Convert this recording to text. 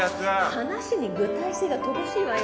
話に具体性が乏しいわよ